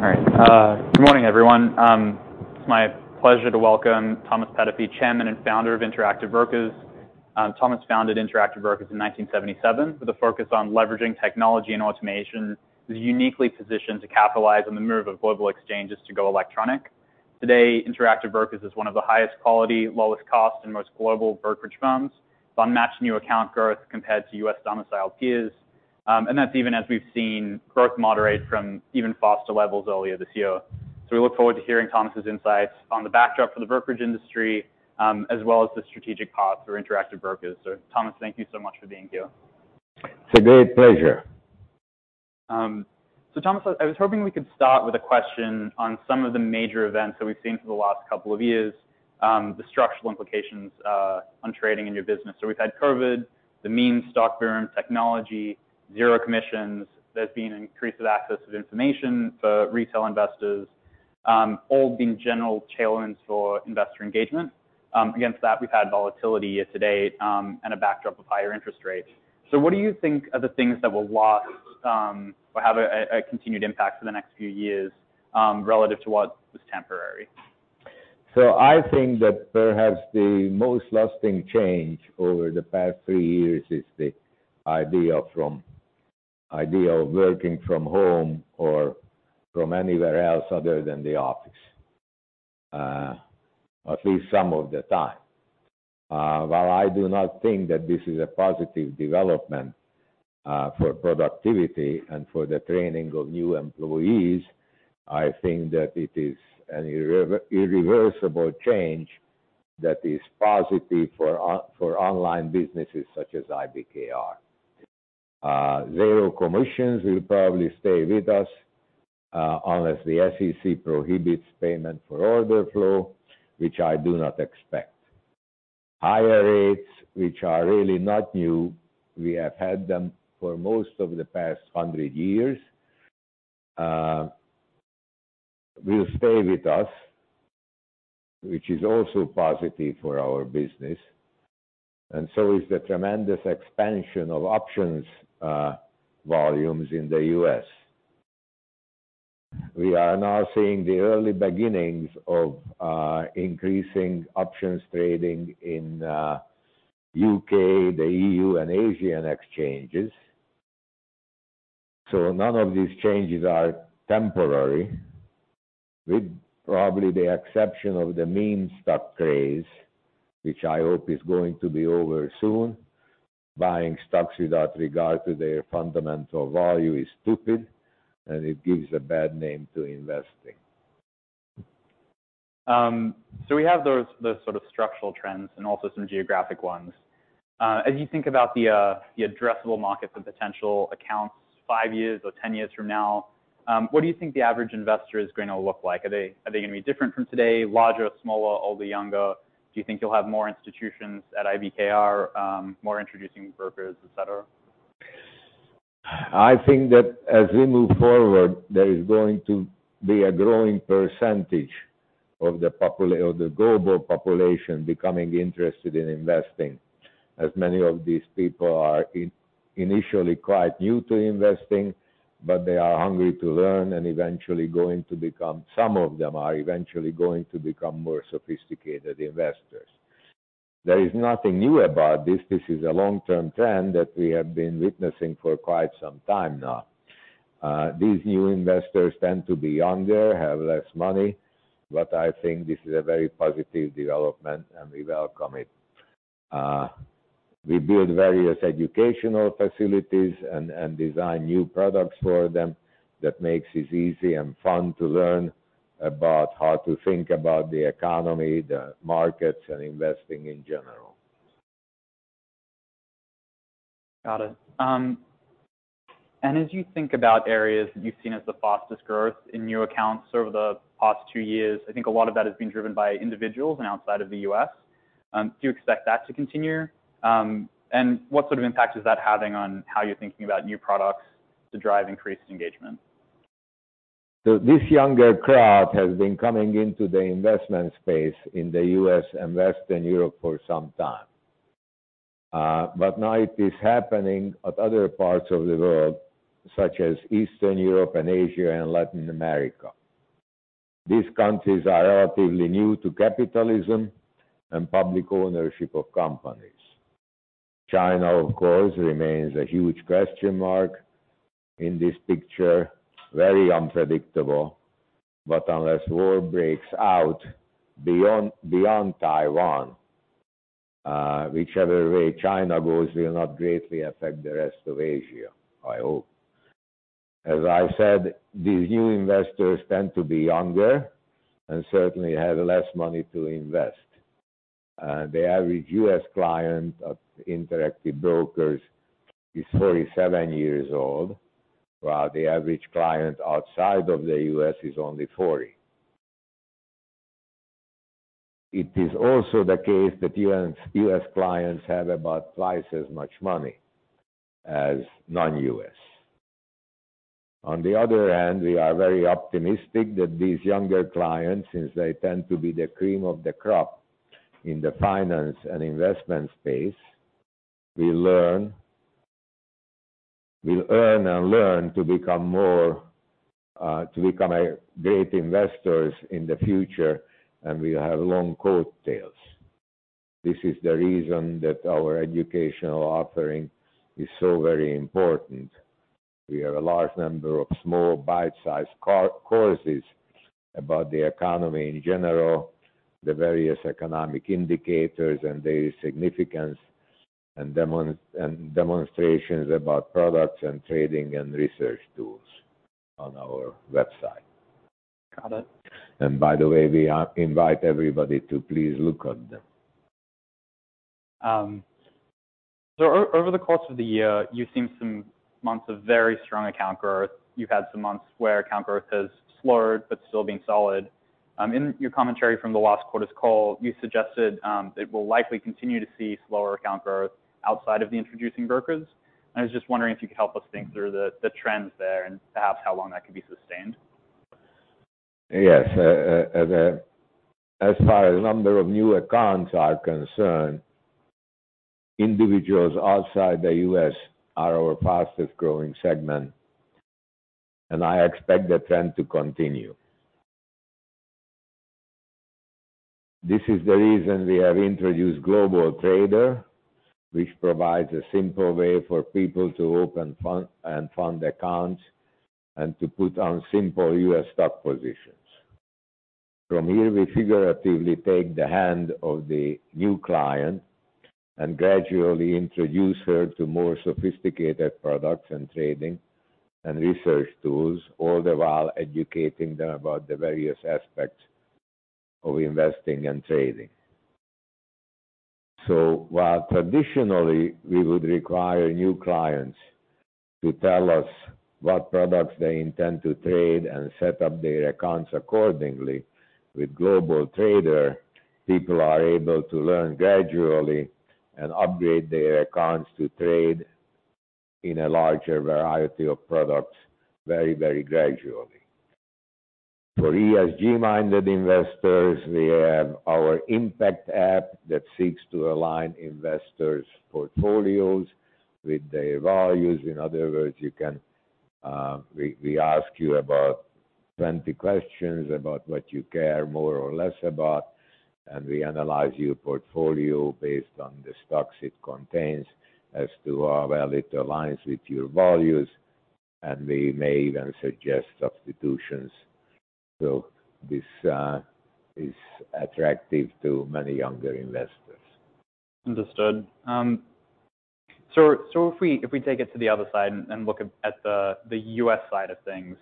Good morning, everyone. It's my pleasure to welcome Thomas Peterffy, Chairman and Founder of Interactive Brokers. Thomas founded Interactive Brokers in 1977 with a focus on leveraging technology and automation. It is uniquely positioned to capitalize on the move of global exchanges to go electronic. Today, Interactive Brokers is one of the highest quality, lowest cost, and most global brokerage firms with unmatched new account growth compared to U.S. domiciled peers. That's even as we've seen growth moderate from even faster levels earlier this year. We look forward to hearing Thomas's insights on the backdrop for the brokerage industry, as well as the strategic path for Interactive Brokers. Thomas, thank you so much for being here. It's a great pleasure. Thomas, I was hoping we could start with a question on some of the major events that we've seen for the last couple of years, the structural implications on trading in your business. We've had COVID, the meme stock boom, technology, zero commissions. There's been an increase of access of information for retail investors, all being general challenges for investor engagement. Against that, we've had volatility year-to-date, and a backdrop of higher interest rates. What do you think are the things that will last, or have a continued impact for the next few years, relative to what was temporary? I think that perhaps the most lasting change over the past three years is the idea of working from home or from anywhere else other than the office. At least some of the time. While I do not think that this is a positive development for productivity and for the training of new employees, I think that it is an irreversible change that is positive for online businesses such as IBKR. Zero commissions will probably stay with us unless the SEC prohibits payment for order flow, which I do not expect. Higher rates, which are really not new, we have had them for most of the past 100 years, will stay with us, which is also positive for our business, and so is the tremendous expansion of options volumes in the U.S. We are now seeing the early beginnings of increasing options trading in U.K., the EU, and Asian exchanges. None of these changes are temporary, with probably the exception of the meme stock craze, which I hope is going to be over soon. Buying stocks without regard to their fundamental value is stupid, and it gives a bad name to investing. We have those sort of structural trends and also some geographic ones. As you think about the addressable markets of potential accounts five years or 10 years from now, what do you think the average investor is going to look like? Are they gonna be different from today, larger or smaller, older, younger? Do you think you'll have more institutions at IBKR, more introducing brokers, et cetera? I think that as we move forward, there is going to be a growing percentage of the global population becoming interested in investing, as many of these people are initially quite new to investing, but they are hungry to learn and eventually going to become. Some of them are eventually going to become more sophisticated investors. There is nothing new about this. This is a long-term trend that we have been witnessing for quite some time now. These new investors tend to be younger, have less money, but I think this is a very positive development, and we welcome it. We build various educational facilities and design new products for them that makes this easy and fun to learn about how to think about the economy, the markets, and investing in general. Got it. As you think about areas that you've seen as the fastest growth in your accounts over the past two years, I think a lot of that has been driven by individuals and outside of the U.S. Do you expect that to continue? What sort of impact is that having on how you're thinking about new products to drive increased engagement? This younger crowd has been coming into the investment space in the U.S. and Western Europe for some time. Now it is happening at other parts of the world, such as Eastern Europe and Asia and Latin America. These countries are relatively new to capitalism and public ownership of companies. China, of course, remains a huge question mark in this picture. Very unpredictable. Unless war breaks out beyond Taiwan, whichever way China goes will not greatly affect the rest of Asia, I hope. As I said, these new investors tend to be younger and certainly have less money to invest. The average U.S. client of Interactive Brokers is 37 years old, while the average client outside of the U.S. is only 40. It is also the case that U.S. clients have about twice as much money as non-U.S. On the other hand, we are very optimistic that these younger clients, since they tend to be the cream of the crop in the finance and investment space. We learn. We earn and learn to become great investors in the future, and we have long coat tails. This is the reason that our educational offering is so very important. We have a large number of small bite-sized courses about the economy in general, the various economic indicators and their significance, and demonstrations about products and trading and research tools on our website. Got it. by the way, we invite everybody to please look at them. Over the course of the year, you've seen some months of very strong account growth. You've had some months where account growth has slowed, but still being solid. In your commentary from the last quarter's call, you suggested that we'll likely continue to see slower account growth outside of the introducing brokers. I was just wondering if you could help us think through the trends there and perhaps how long that could be sustained. Yes. As far as number of new accounts are concerned, individuals outside the U.S. are our fastest growing segment, and I expect the trend to continue. This is the reason we have introduced GlobalTrader, which provides a simple way for people to open and fund accounts and to put on simple U.S. stock positions. From here, we figuratively take the hand of the new client and gradually introduce her to more sophisticated products and trading and research tools, all the while educating them about the various aspects of investing and trading. While traditionally we would require new clients to tell us what products they intend to trade and set up their accounts accordingly, with GlobalTrader, people are able to learn gradually and upgrade their accounts to trade in a larger variety of products very, very gradually. For ESG-minded investors, we have our IMPACT app that seeks to align investors' portfolios with their values. In other words, we ask you about 20 questions about what you care more or less about, and we analyze your portfolio based on the stocks it contains as to how well it aligns with your values, and we may even suggest substitutions. This is attractive to many younger investors. Understood. If we take it to the other side and look at the U.S. side of things,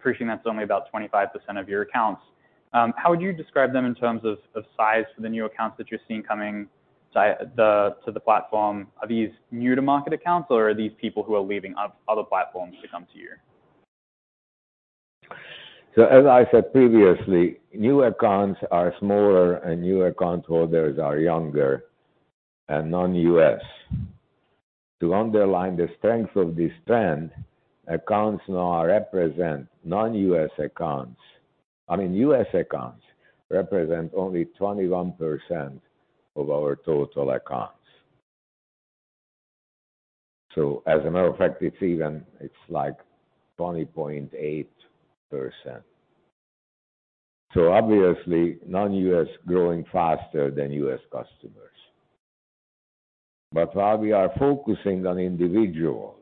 preaching that's only about 25% of your accounts, how would you describe them in terms of size for the new accounts that you're seeing coming to the platform? Are these new-to-market accounts, or are these people who are leaving other platforms to come to you? As I said previously, new accounts are smaller and new account holders are younger and non-U.S. To underline the strength of this trend, accounts now represent non-U.S. accounts. I mean U.S. accounts represent only 21% of our total accounts. As a matter of fact, it's like 20.8%. Obviously non-U.S. growing faster than U.S. customers. While we are focusing on individuals,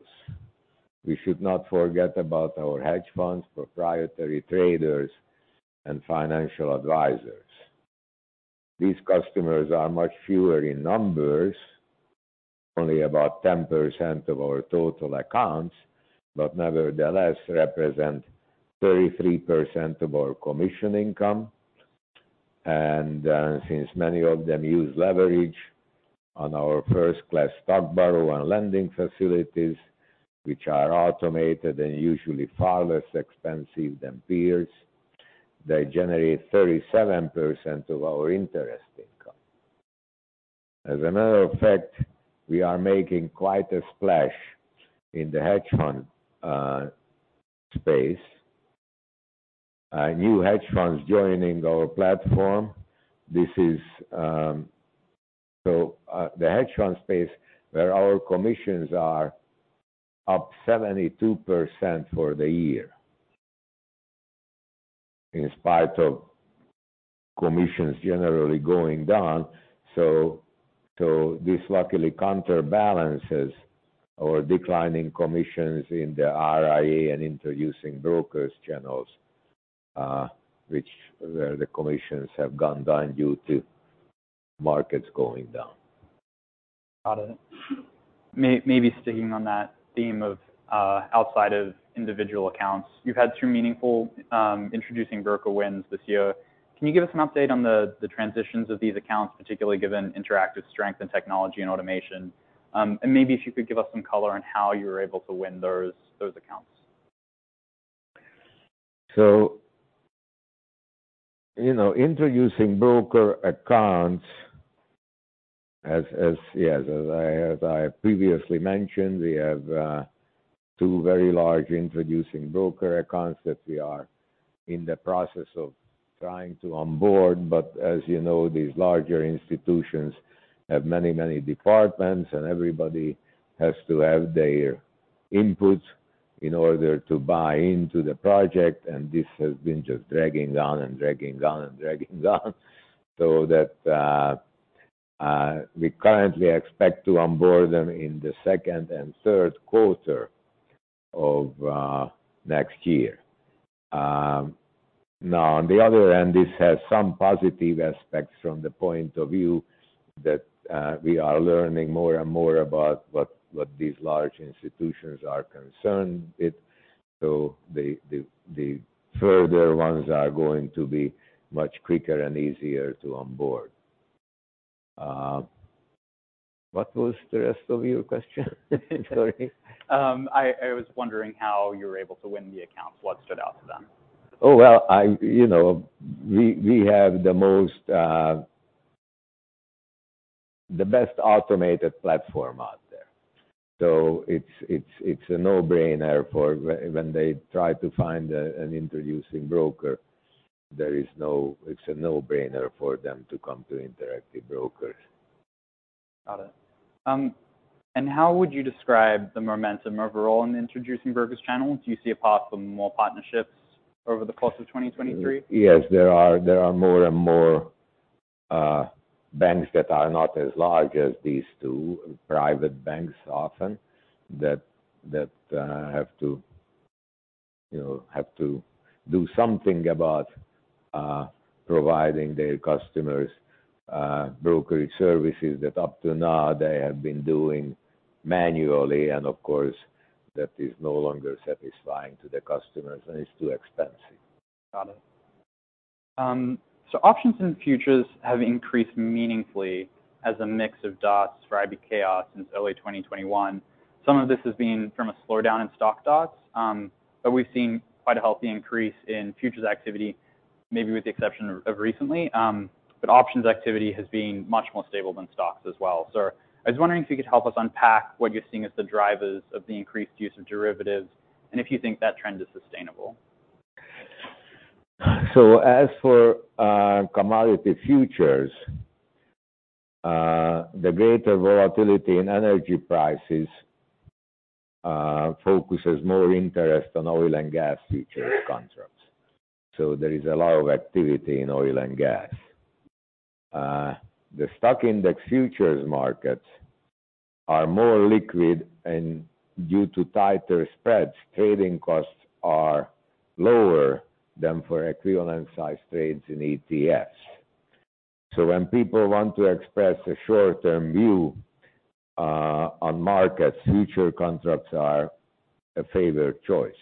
we should not forget about our hedge funds, proprietary traders and financial advisors. These customers are much fewer in numbers, only about 10% of our total accounts, but nevertheless represent 33% of our commission income. Since many of them use leverage on our first class stock borrow and lending facilities, which are automated and usually far less expensive than peers, they generate 37% of our interest income. As a matter of fact, we are making quite a splash in the hedge fund space. New hedge funds joining our platform. This is the hedge fund space where our commissions are up 72% for the year in spite of commissions generally going down. This luckily counterbalances our declining commissions in the RIA and introducing brokers channels, which where the commissions have gone down due to markets going down. Got it. Maybe sticking on that theme of outside of individual accounts, you've had two meaningful introducing broker wins this year. Can you give us an update on the transitions of these accounts, particularly given Interactive's strength in technology and automation? Maybe if you could give us some color on how you were able to win those accounts. You know, introducing broker accounts as I previously mentioned, we have two very large introducing broker accounts that we are in the process of trying to onboard, but as you know, these larger institutions have many departments and everybody has to have their input in order to buy into the project. This has been just dragging on and dragging on and dragging on. That we currently expect to onboard them in the second and third quarter of next year. On the other end, this has some positive aspects from the point of view that we are learning more and more about what these large institutions are concerned with. The further ones are going to be much quicker and easier to onboard. What was the rest of your question? Sorry. I was wondering how you were able to win the accounts. What stood out to them? Well, you know, we have the most, the best automated platform out there. It's a no-brainer for when they try to find an introducing broker, it's a no-brainer for them to come to Interactive Brokers. Got it. How would you describe the momentum overall in the introducing brokers channel? Do you see a path for more partnerships over the course of 2023? Yes. There are more and more banks that are not as large as these two, private banks often, that have to, you know, have to do something about providing their customers brokerage services that up to now they have been doing manually, and of course, that is no longer satisfying to the customers, and it's too expensive. Got it. Options and futures have increased meaningfully as a mix of DARTs for IBKR since early 2021. Some of this has been from a slowdown in stock DARTs, but we've seen quite a healthy increase in futures activity, maybe with the exception of recently. But options activity has been much more stable than stocks as well. I was wondering if you could help us unpack what you're seeing as the drivers of the increased use of derivatives, and if you think that trend is sustainable. As for commodity futures, the greater volatility in energy prices focuses more interest on oil and gas futures contracts, so there is a lot of activity in oil and gas. The stock index futures markets are more liquid, and due to tighter spreads, trading costs are lower than for equivalent size trades in ETFs. When people want to express a short-term view on markets, futures contracts are a favored choice.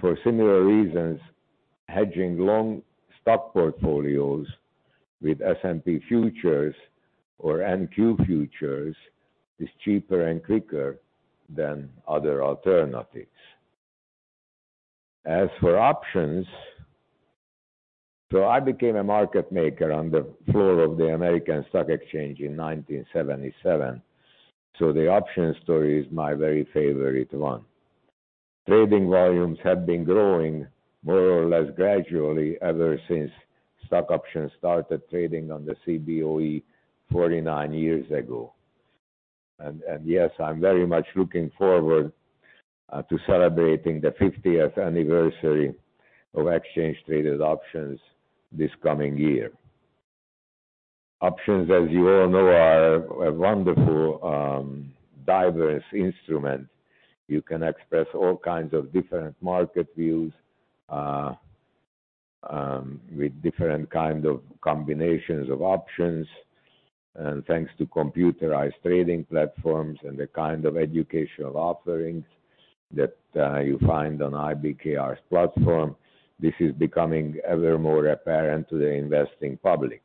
For similar reasons, hedging long stock portfolios with S&P futures or NQ futures is cheaper and quicker than other alternatives. As for options... I became a market maker on the floor of the American Stock Exchange in 1977, so the option story is my very favorite one. Trading volumes have been growing more or less gradually ever since stock options started trading on the Cboe 49 years ago. Yes, I'm very much looking forward to celebrating the 50th anniversary of exchange-traded options this coming year. Options, as you all know, are a wonderful, diverse instrument. You can express all kinds of different market views with different kind of combinations of options. Thanks to computerized trading platforms and the kind of educational offerings that you find on IBKR's platform, this is becoming ever more apparent to the investing public.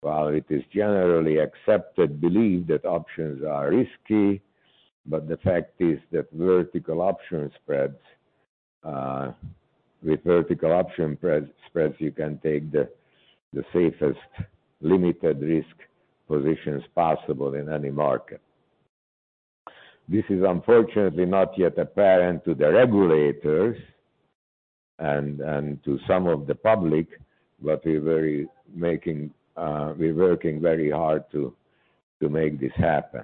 While it is generally accepted belief that options are risky, but the fact is that vertical option spreads with vertical option spreads, you can take the safest limited risk positions possible in any market. This is unfortunately not yet apparent to the regulators and to some of the public, but we're working very hard to make this happen.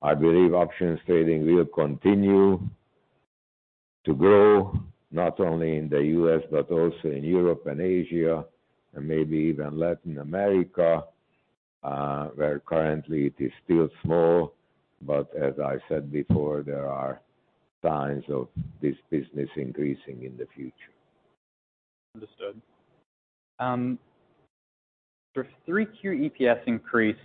I believe options trading will continue to grow, not only in the U.S., but also in Europe and Asia and maybe even Latin America, where currently it is still small. As I said before, there are signs of this business increasing in the future. Understood. your 3Q EPS increased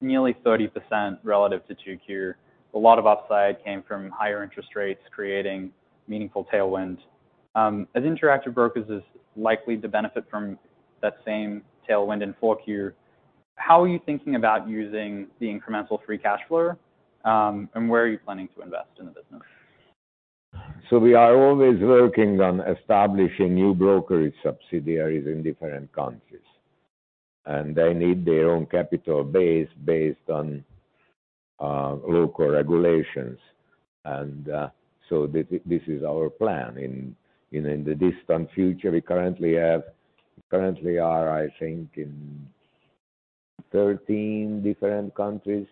nearly 30% relative to 2Q. A lot of upside came from higher interest rates creating meaningful tailwind. as Interactive Brokers is likely to benefit from that same tailwind in 4Q, how are you thinking about using the incremental free cash flow, and where are you planning to invest in that? We are always working on establishing new brokerage subsidiaries in different countries, and they need their own capital base based on local regulations. This is our plan. In, you know, in the distant future, we currently are, I think, in 13 different countries.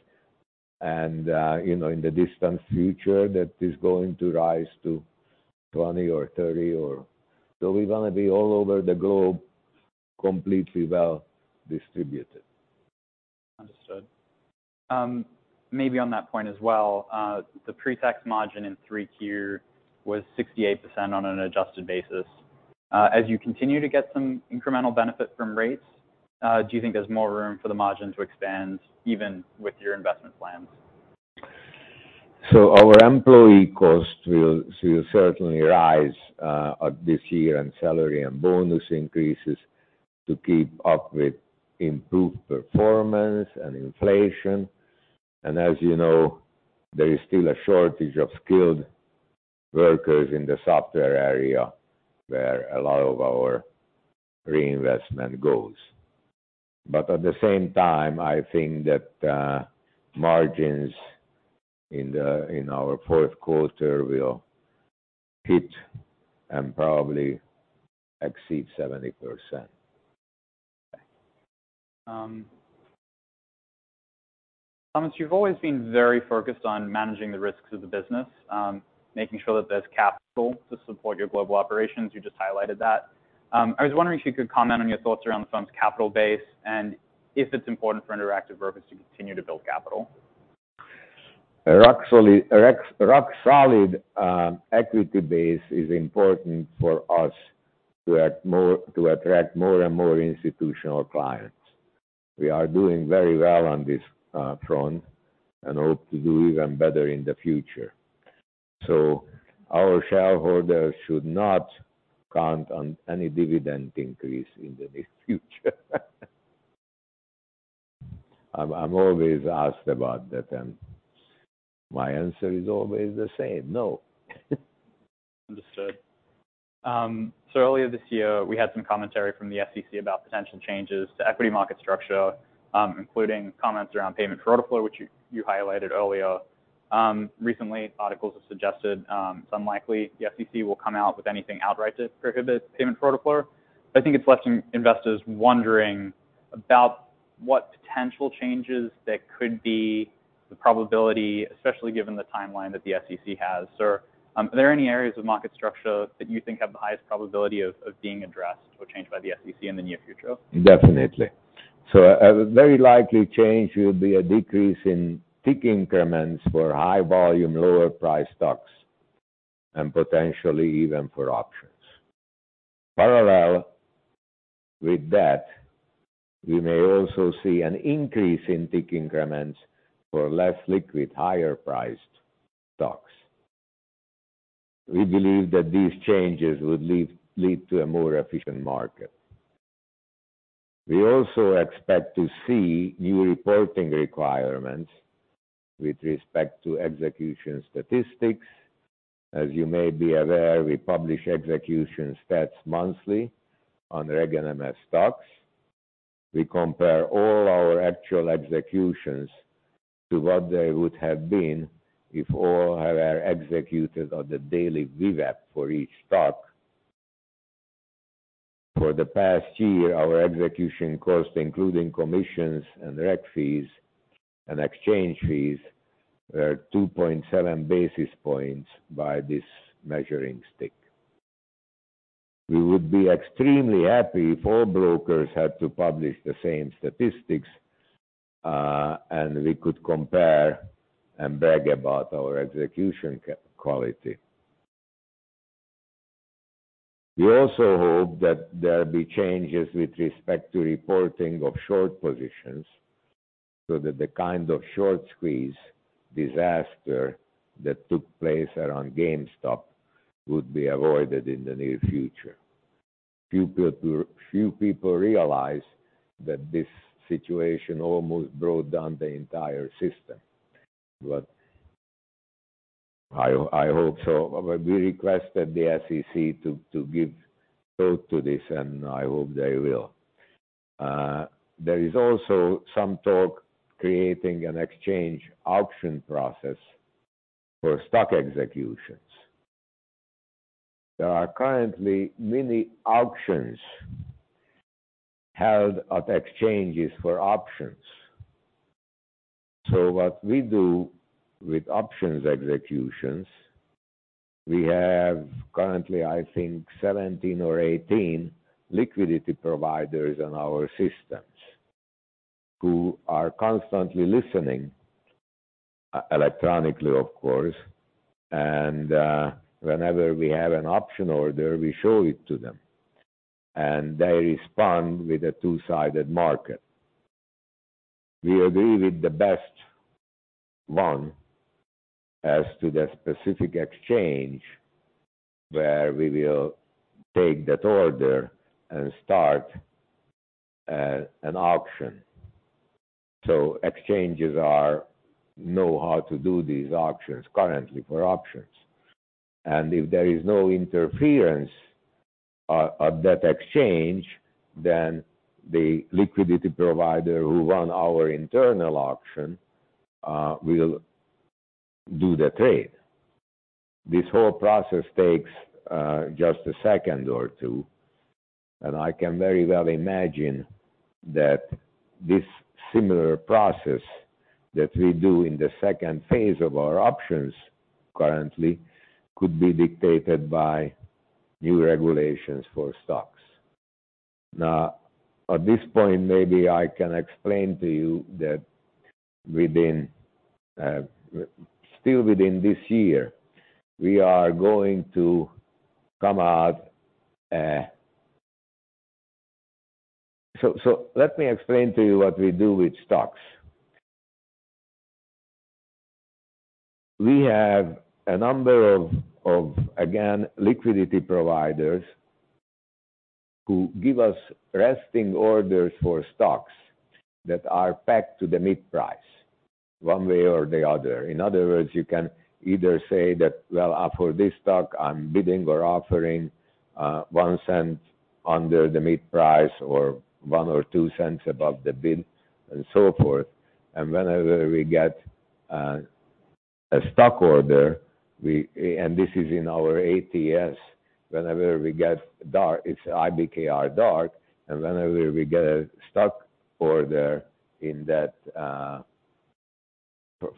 You know, in the distant future, that is going to rise to 20 or 30. We wanna be all over the globe, completely well-distributed. Understood. Maybe on that point as well, the pre-tax margin in 3Q was 68% on an adjusted basis. As you continue to get some incremental benefit from rates, do you think there's more room for the margin to expand even with your investment plans? Our employee cost will certainly rise this year in salary and bonus increases to keep up with improved performance and inflation. As you know, there is still a shortage of skilled workers in the software area where a lot of our reinvestment goes. At the same time, I think that margins in our fourth quarter will hit and probably exceed 70%. Okay. Thomas, you've always been very focused on managing the risks of the business, making sure that there's capital to support your global operations. You just highlighted that. I was wondering if you could comment on your thoughts around the firm's capital base and if it's important for Interactive Brokers to continue to build capital. A rock-solid equity base is important for us to attract more and more institutional clients. We are doing very well on this front and hope to do even better in the future. Our shareholders should not count on any dividend increase in the near future. I'm always asked about that, and my answer is always the same, "No. Understood. Earlier this year, we had some commentary from the SEC about potential changes to equity market structure, including comments around payment for order flow, which you highlighted earlier. Recently, articles have suggested, it's unlikely the SEC will come out with anything outright to prohibit payment for order flow. I think it's left some investors wondering about what potential changes there could be, the probability, especially given the timeline that the SEC has. Are there any areas of market structure that you think have the highest probability of being addressed or changed by the SEC in the near future? Definitely. A very likely change will be a decrease in tick increments for high volume, lower priced stocks, and potentially even for options. Parallel with that, we may also see an increase in tick increments for less liquid, higher priced stocks. We believe that these changes would lead to a more efficient market. We also expect to see new reporting requirements with respect to execution statistics. As you may be aware, we publish execution stats monthly on Reg NMS stocks. We compare all our actual executions to what they would have been if all are executed on the daily VWAP for each stock. For the past year, our execution cost, including commissions and reg fees and exchange fees, were 2.7 basis points by this measuring stick. We would be extremely happy if all brokers had to publish the same statistics, and we could compare and brag about our execution quality. We also hope that there'll be changes with respect to reporting of short positions so that the kind of short squeeze disaster that took place around GameStop would be avoided in the near future. Few people realize that this situation almost brought down the entire system, but I hope so. We requested the SEC to give thought to this, and I hope they will. There is also some talk creating an exchange auction process for stock executions. There are currently many auctions held at exchanges for options. What we do with options executions, we have currently, I think, 17 or 18 liquidity providers on our systems who are constantly listening, e-electronically of course, and whenever we have an option order, we show it to them, and they respond with a two-sided market. We agree with the best one as to the specific exchange where we will take that order and start an auction. Exchanges are know how to do these auctions currently for options. If there is no interference at that exchange, then the liquidity provider who run our internal auction will do the trade. This whole process takes just a second or two, and I can very well imagine that this similar process that we do in the second phase of our options currently could be dictated by new regulations for stocks. At this point, maybe I can explain to you that within, still within this year, we are going to come out. Let me explain to you what we do with stocks. We have a number of, again, liquidity providers who give us resting orders for stocks that are packed to the mid-price one way or the other. In other words, you can either say that, "Well, for this stock, I'm bidding or offering, $0.01 under the mid-price or $0.01 or $0.02 above the bid," and so forth. And this is in our ATS. Whenever we get dark, it's IBKR Dark. Whenever we get a stock order in that,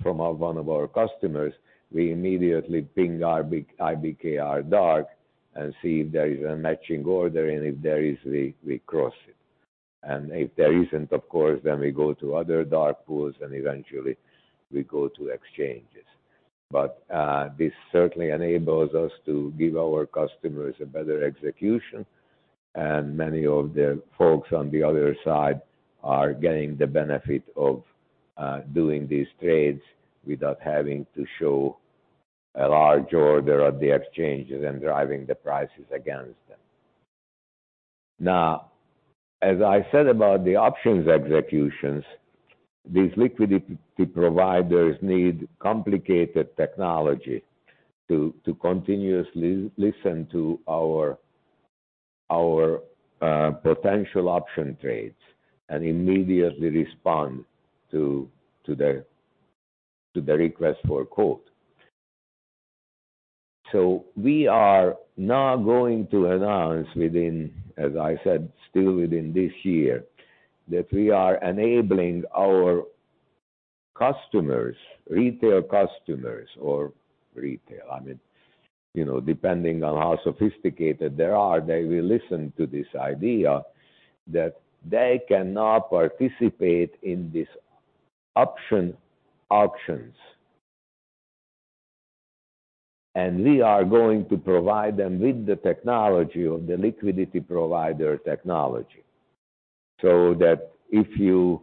from one of our customers, we immediately ping our IBKR Dark and see if there is a matching order, and if there is, we cross it. If there isn't, of course, then we go to other dark pools, and eventually we go to exchanges. This certainly enables us to give our customers a better execution, and many of the folks on the other side are getting the benefit of doing these trades without having to show a large order at the exchanges and driving the prices against them. Now, as I said about the options executions, these liquidity providers need complicated technology to continuously listen to our potential option trades and immediately respond to the request for a quote. We are now going to announce within, as I said, still within this year, that we are enabling our customers, retail customers or retail, I mean, you know, depending on how sophisticated they are, they will listen to this idea that they can now participate in this option auctions. We are going to provide them with the technology of the liquidity provider technology, so that if you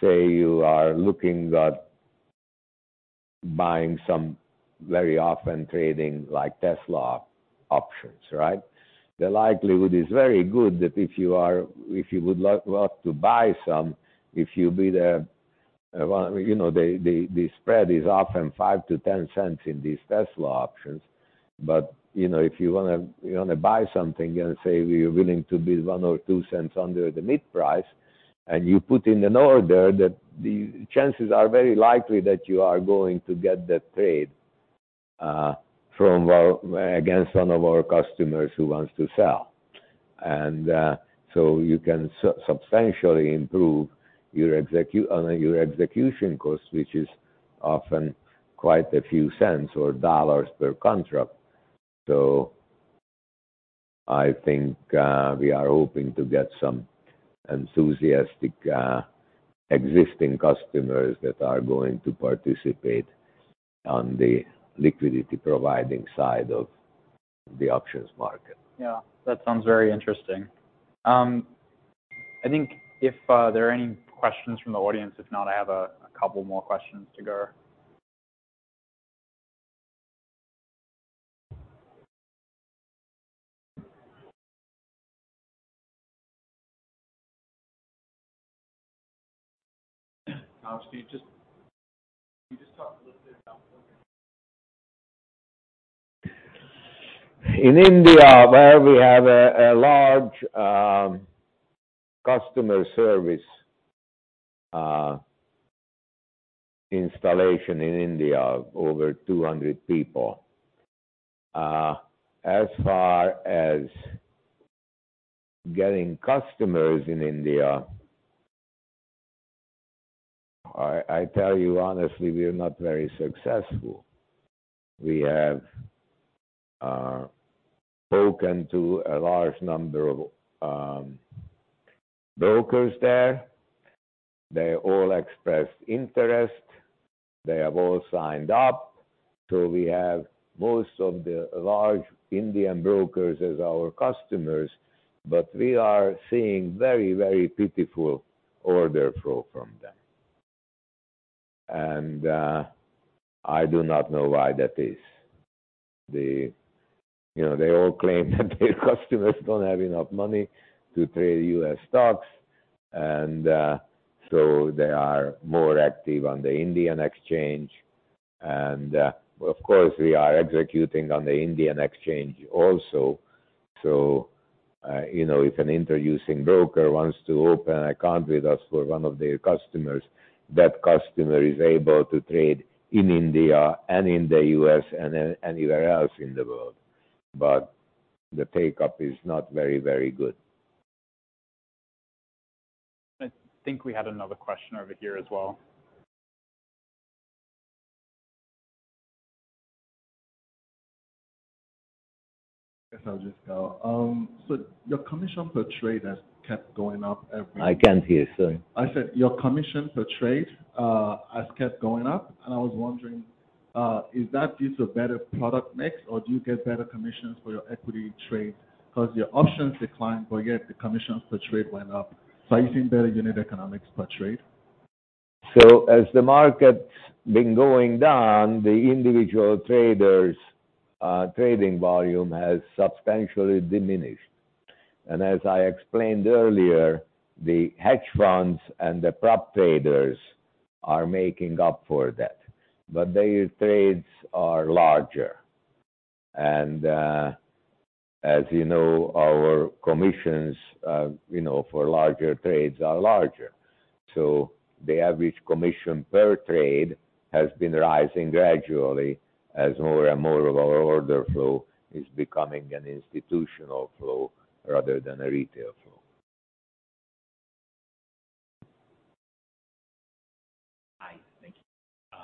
say you are looking at buying some very often trading like Tesla options, right? The likelihood is very good that if you would love to buy some, if you bid, well, you know, the spread is often $0.05-$0.10 in these Tesla options. You know, if you wanna buy something and say you're willing to bid $0.01 or $0.02 under the mid-price, and you put in an order that the chances are very likely that you are going to get that trade from against one of our customers who wants to sell. So you can substantially improve on your execution costs, which is often quite a few cents or dollars per contract. I think, we are hoping to get some enthusiastic existing customers that are going to participate on the liquidity providing side of the options market. Yeah. That sounds very interesting. I think if there are any questions from the audience, if not, I have a couple more questions to go. Can you just talk a little bit about- In India, where we have a large customer service installation in India, over 200 people. As far as getting customers in India, I tell you honestly, we are not very successful. We have spoken to a large number of brokers there. They all expressed interest. They have all signed up. We have most of the large Indian brokers as our customers, but we are seeing very pitiful order flow from them. I do not know why that is. You know, they all claim that their customers don't have enough money to trade U.S. stocks and they are more active on the Indian exchange. Of course, we are executing on the Indian exchange also. You know, if an introducing broker wants to open an account with us for one of their customers, that customer is able to trade in India and in the U.S. and anywhere else in the world. The take-up is not very good. I think we had another question over here as well. I guess I'll just go. Your commission per trade has kept going up. I can't hear, sorry. I said your commission per trade, has kept going up, and I was wondering, is that due to a better product mix or do you get better commissions for your equity trades? Your options declined, but yet the commissions per trade went up. Are you seeing better unit economics per trade? As the market's been going down, the individual traders' trading volume has substantially diminished. As I explained earlier, the hedge funds and the prop traders are making up for that. Their trades are larger. As you know, our commissions, you know, for larger trades are larger. The average commission per trade has been rising gradually as more and more of our order flow is becoming an institutional flow rather than a retail flow. Hi. Thank you.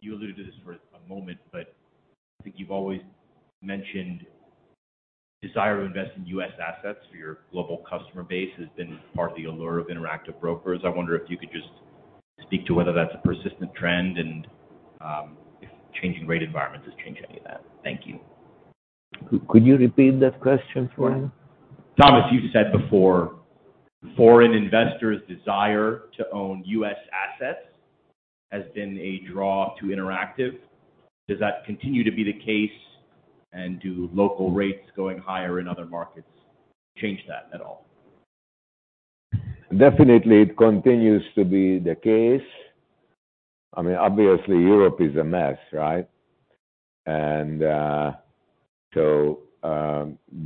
You alluded to this for a moment, I think you've always mentioned desire to invest in U.S. assets for your global customer base has been partly allure of Interactive Brokers. I wonder if you could just speak to whether that's a persistent trend and if changing rate environment has changed any of that. Thank you. Could you repeat that question for me? Thomas, you've said before foreign investors' desire to own U.S. assets has been a draw to Interactive. Does that continue to be the case, and do local rates going higher in other markets change that at all? Definitely it continues to be the case. I mean, obviously Europe is a mess, right?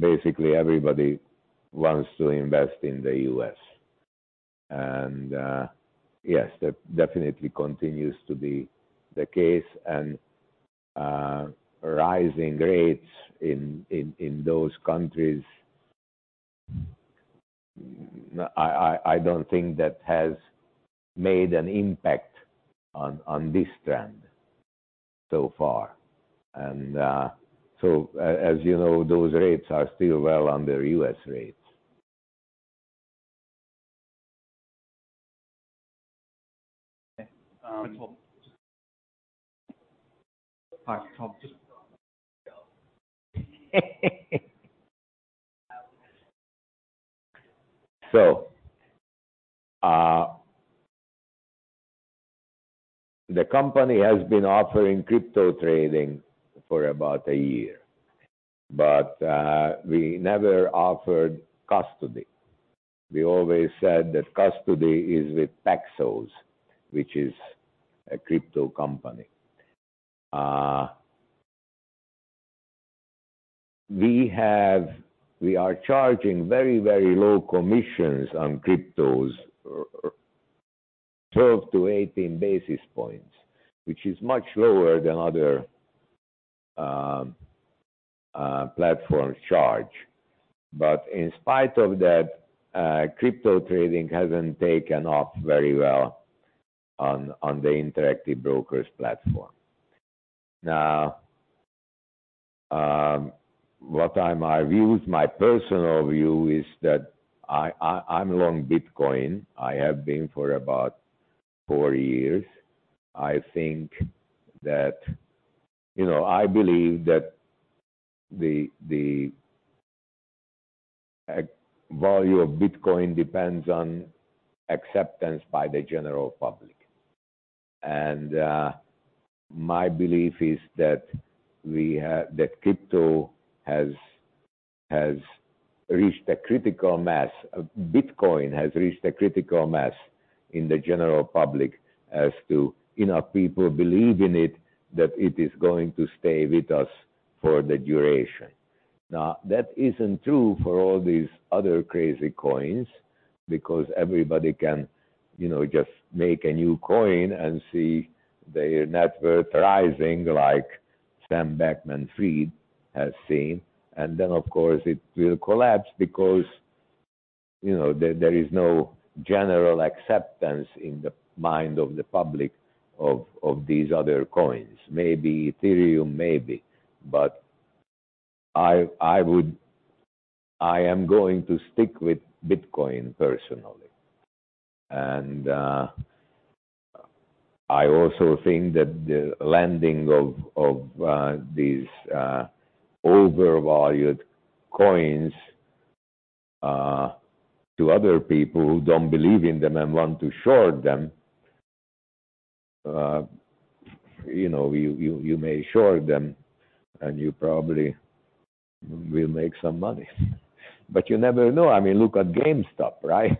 Basically everybody wants to invest in the U.S. Yes, that definitely continues to be the case. Rising rates in those countries, I don't think that has made an impact on this trend so far. As you know, those rates are still well under U.S. rates. Okay. The company has been offering crypto trading for about a year. We never offered custody. We always said that custody is with Paxos, which is a crypto company. We are charging very, very low commissions on cryptos, 12-18 basis points, which is much lower than other platforms charge. In spite of that, crypto trading hasn't taken off very well on the Interactive Brokers platform. What are my views? My personal view is that I'm long Bitcoin. I have been for about four years. I think that. You know, I believe that the value of Bitcoin depends on acceptance by the general public. My belief is that crypto has reached a critical mass, Bitcoin has reached a critical mass in the general public as to enough people believe in it that it is going to stay with us for the duration. That isn't true for all these other crazy coins because everybody can, you know, just make a new coin and see their net worth rising like Sam Bankman-Fried has seen. Of course, it will collapse because, you know, there is no general acceptance in the mind of the public of these other coins. Maybe Ethereum, maybe. I am going to stick with Bitcoin personally. I also think that the lending of these overvalued coins to other people who don't believe in them and want to short them, you know, you may short them and you probably will make some money. You never know. I mean, look at GameStop, right?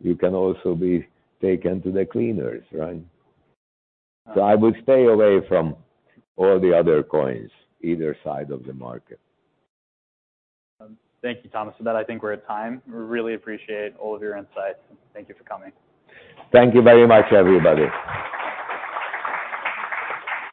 You can also be taken to the cleaners, right? I would stay away from all the other coins, either side of the market. Thank you, Thomas. With that, I think we're at time. We really appreciate all of your insights, and thank you for coming. Thank you very much, everybody.